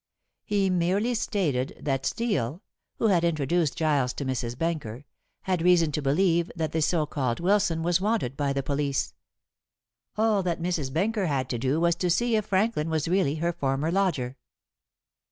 He merely stated that Steel who had introduced Giles to Mrs. Benker had reason to believe that the so called Wilson was wanted by the police. All that Mrs. Benker had to do was to see if Franklin was really her former lodger.